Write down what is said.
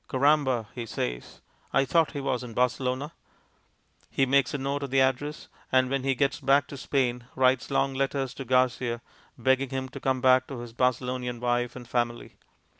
"Caramba!" he says, "I thought he was in Barcelona." He makes a note of the address, and when he gets back to Spain writes long letters to Garcia begging him to come back to his Barcelonian wife and family.